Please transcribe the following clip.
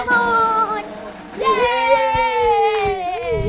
เย้